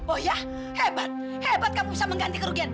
oh ya hebat hebat kamu bisa mengganti kerugian